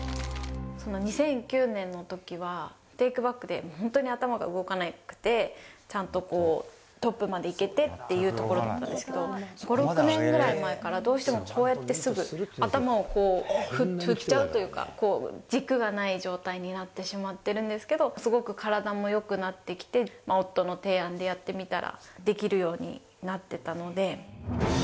２００９年のときは、テイクバックで本当に頭が動かなくて、ちゃんとこう、トップまで行けてっというところだったんですけど、５、６年ぐらい前から、どうしてもこうやってすぐ、頭をこう、振っちゃうというか、軸がない状態になってしまってるんですけど、すごく体もよくなってきて、夫の提案でやってみたら、できるようになってたので。